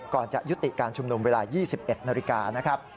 ก่อนจะยุติการชุมนุมเวลา๒๑น